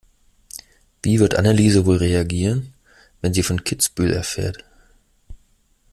Wie wird Anneliese wohl reagieren, wenn sie von Kitzbühel erfährt?